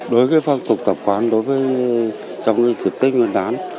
đối với phong tục tập quán đối với trong những tiệc tích ngân đán